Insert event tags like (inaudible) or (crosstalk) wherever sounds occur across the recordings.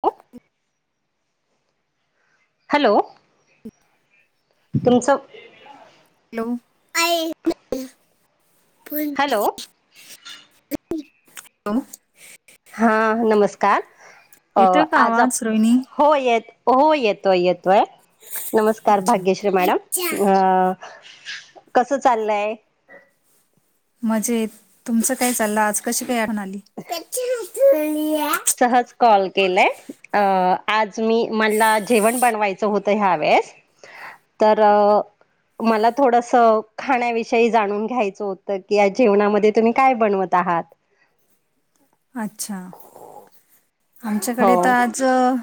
ह (unintelligible) हॅलो तुमचं hello, (unintelligible) hello. (unintelligible) हा नमस्कार, अ येतोय का आज आप आवाज रोहिणी हो येत, हो येतोय-येतोय. नमस्कार अच्छा भाग्यश्री मॅडम अ कसं चाललंय? मजेत, तुमचं काय चाललं आज कशी काय आठवण आली. सहज कॉल केलाय अ आज मी म्हणलं जेवण बनवायचं. होत ह्या वळेस, तर मला थोडस खाण्याविषयी जाणून घ्यायचं होतं की आज जेवणामध्ये तुम्ही काय बनवत आहात. अच्छा, आमच्याकडे हो तर आज च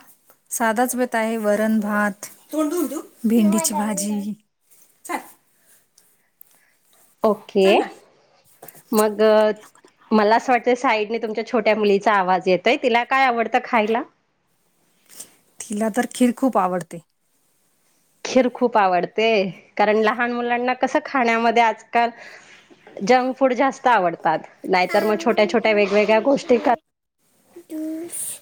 साधाच बेत आहे. वरण, भात, भेंडीची भाजी. चल ओके, चल ना मग मला असं वाटतंय साईडने तुमच्या छोट्या मुलीचा आवाज येतोय, तिला काय आवडतं खायला? तिला तर खीर खूप आवडते. खीर खूप आवडते, कारण लहान मुलांना कसं खाण्यामध्ये आजकाल जंक फूड जास्त आवडतात नाहीतर मग छोट्या-छोट्या वेगवेगळ्या गोष्टी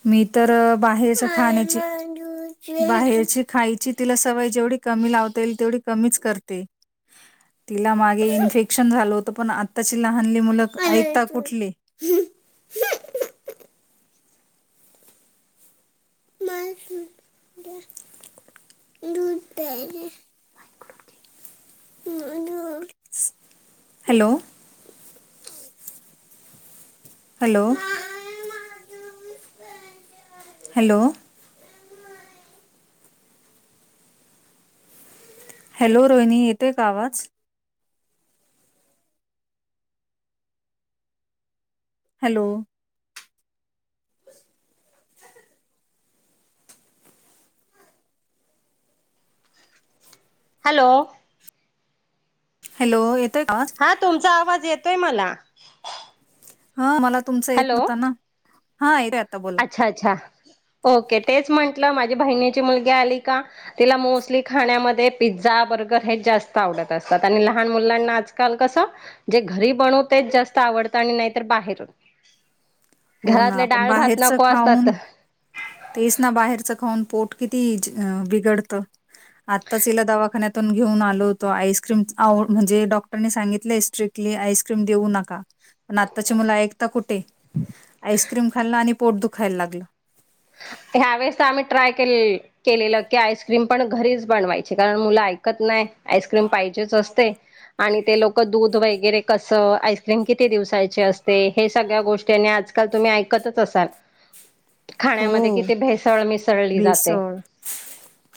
मी तर बाहेरच खाण्याची बाहेरची खायची तिला सवय जेवढी कमी लावता येईल तेवढी कमीच करते. तिला मागे इन्फेक्शन झाल होतं पण आत्ताची लहानली मुलं ऐकता कुठली. (inaudible) मला दूध द्या. दूध प्यायला. Hello. Hello, hello. Hello Rohini येतेय का आवाज. हॅलो. हॅलो. हॅलो येतोय का. हा तुमचा आवाज येतोय मला. हा मला तुमच येत हॅलो नव्हता ना, हा येतोय आता बोला. अच्छा अच्छा, ओके तेच म्हंटलं माझी बहिणीची मुलगी आली का? तिला मोस्टली खाण्यामध्ये पिझ्झा, बर्गर हे जास्त आवडत असतात. आणि लहान मुलांना आजकाल कसं जे घरी बनवते जास्त आवडतं आणि नाहीतर बाहेरून हो ना घरातले आपण डाळ भात बाहेरच नको असतात खाऊन तेच ना बाहेरचं खाऊन, पोट किती बिघडतं आत्ताच हीला दवाखान्यात घेऊन आलो होतो, आईस्क्रीम आव म्हणजे डॉक्टरनी सांगितलंय स्ट्रिकटली आईस्क्रीम देऊ नका. पण आत्ताची मुलं ऐकता कुठे आईस्क्रीम खाल्लं आणि पोट दुखायला लागलं. ह्या वेळेस आम्ही ट्राय केले केलेलं की, आईस्क्रीम पण घरीच बनवायच कारण मुलं ऐकत नाही आईस्क्रीम पाहिजेच असतय आणि ते लोक दूध वगैरे कसं, आईस्क्रीम किती दिवसायचे असते हे सगळ्या गोष्टीनी आज का तुम्ही ऐकतच असाल. खाण्यामध्ये हो किती भेसळ मिसळली जाते. भेसळ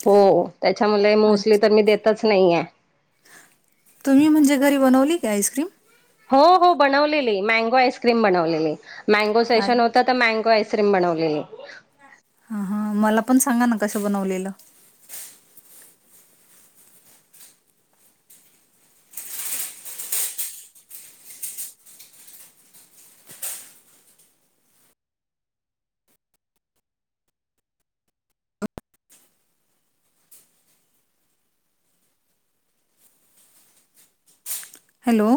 हो त्याच्यामुले मोस्टली तर मी देतच नाहीयेय. तुम्ही म्हणजे घरी बनवली कां आईस्क्रीम? हो हो बनवलेली मँगो आईस्क्रीम बनवलेली मँगो आ सेशन होत तर मँगो आईस स्क्रीम बनवलेली हा हा मला पण सांगा ना कसं बनवलेलं? हॅलो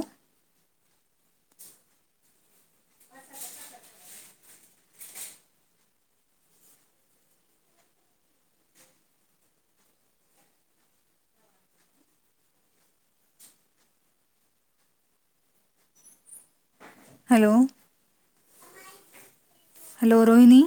हॅलो हॅलो रोहिनी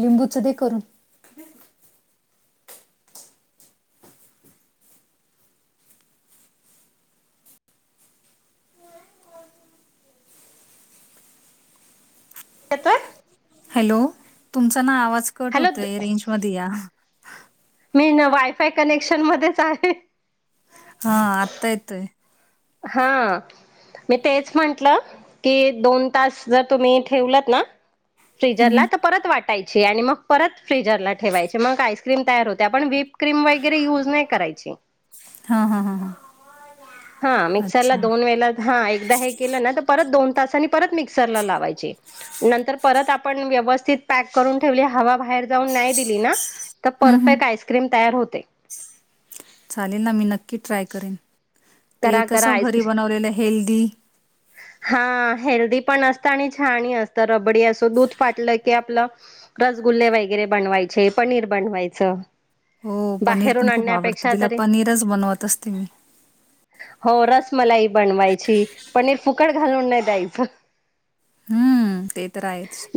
लिंबूचं दे करून यात हॅलो तुमचा ना आवाज कट हॅलो होतोय रेंज मध्ये या मी ना वायफाय कनेक्शन मध्येच आहे. हा आत्ता येतोय हा मी तेच म्हंटलं की दोन तास जर तुम्ही ठेवलात ना हम्म फ्रीजरला हम्म. तर परत वाट टायची आणि मग परत फ्रीजर ला ठेवायची मग आईस्क्रीम तयार होते आपण विप क्रीम वगैरे युज नाही करायची हा हा हा हा हा मिक्सरला अच्छा दोन हम्म वेलेला हा एकदा हे केलं ना तर परत दोन तासनी परत मिक्सरला लावायचं ची नंतर परत आपण व्यवस्थित पॅ क करून ठेवली हवा बाहेर जाऊन नाही दिली ना तर हम्म परफेक्ट आईस्क्रीम तयार होते चालेल ना मी नक्की ट्राय करेन ते करा कस करा घरी आईस्क्रीम बनवलेलं हेल्दी हा हेल्दी पण असतं आणि छान ही असतं रबडी असं दूध फाटलं की आपलं रसगुल्ले वगैरे बनवायचे पनीर बनवायचं हो पनीर बाहेरून पण खूप आवडतं आणण्यापेक्षा तिला तरी पनीरच बनवत असते मी हो रसमलाई बनवायची पनीर फुकट घालून नाही द्यायचं हम्म ते तर आहेच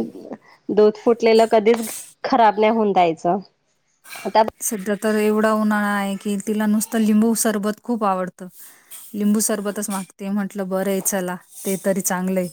दूध फुटलेलं कधीच खराब नाही होऊन द्यायच सध्या तर एवढा उन्हाळा आहे की तिला नुसतं लिंबू सरबत खूप आवडतं लिंबू सरबतच मागते म्हंटलं बरं आहे चला ते तरी चांगलंय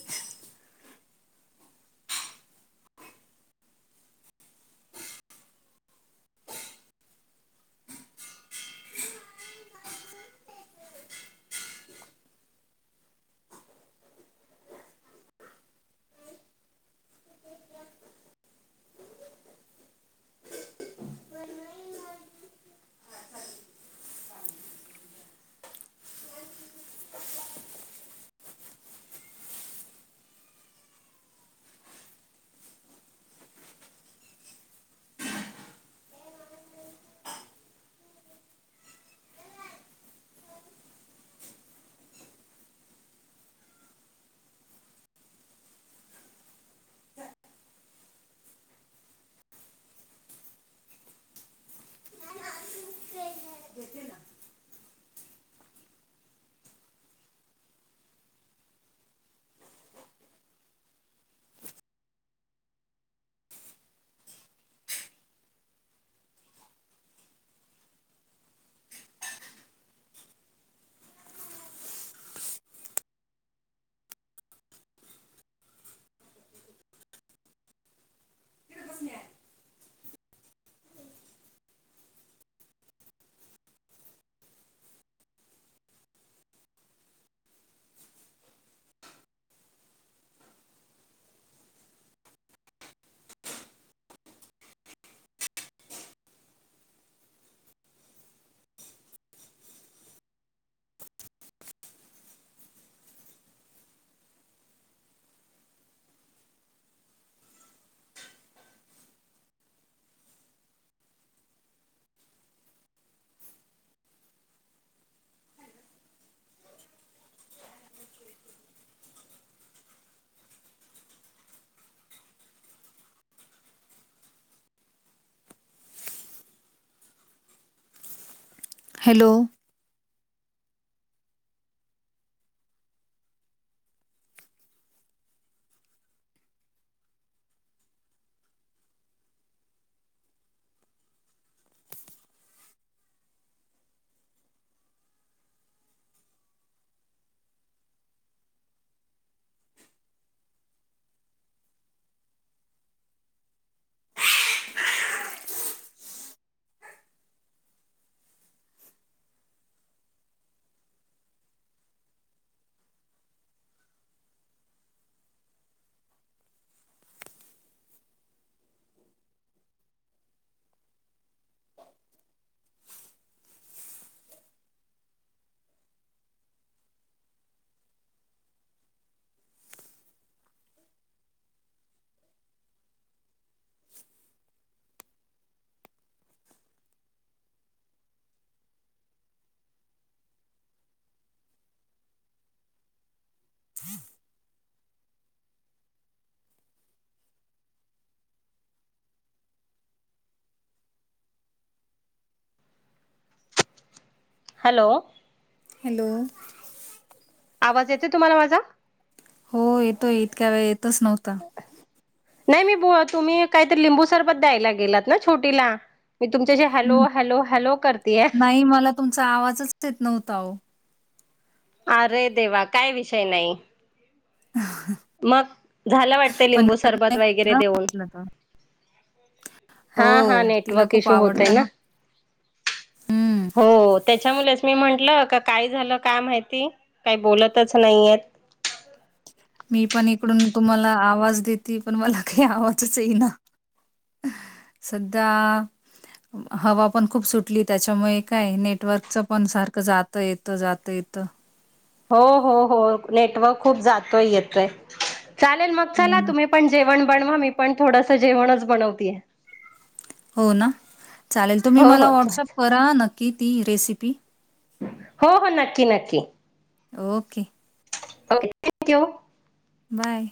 हॅलो हंम हॅलो हॅलो आवांज येते तुम्हांला मांझा हो येतोय इतक्यां वेळं येतंच नव्हतां नाहीं मी बां तुम्हीं कांहीतरी लिंबू सरबंत द्यायला गेलांत नां छोटीला मी तुमचे जे हॅलो हॅलो हॅलो करते नाहीं मलां तुमचा आवांजच येतं नव्हतां हो अरे देवां कायं विषय नाहीं मंग झालं वाटतं पण लिंबू मी सरबंत नाही वगैरें केला देऊंन म्हटलं तर. हो हां हां तिला नेटवर्क खूप ईशू होतंय आवडतं नां ना. हम्म हो त्यांच्यामुळेच मी म्हटलं कां कायं झालं कायं माहिती कांहीं बोलायचं नाहीये मी पणं इकडूंन तुम्हांला आवांज देते पणं मलां कांहीं आवांजच येई नां संध्या हवां पणं खूंप सुटली त्यांच्यामुळे कायं नेटवर्कच पणं सारखं जातं येतं जातं येतं हो हो हो नेटवर्क खूंप जातोय येतंय चालेल मंग चलां हो करां ना. तुम्हीं पणं जेवणं बनवां मी पणं थोडंसं जेवणंच बनवते हो नां चालेल तुम्हीं हो हो मलां चालेल व्हॉट्सअप करां नक्की ती रेसिपी हो हो नक्की नक्की ओके ओके थँक्यू बांय